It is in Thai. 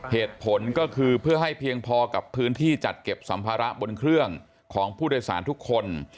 เหตุผลก็คือเพื่อให้เพียงพอกับพื้นที่จัดเก็บสัมภาระบนเครื่องของผู้โดยสารทุกคน